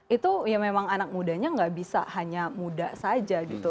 itu ya memang anak mudanya nggak bisa hanya muda saja gitu